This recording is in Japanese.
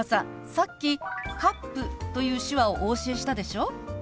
さっき「カップ」という手話をお教えしたでしょう？